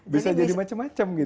bisa jadi macam macam gitu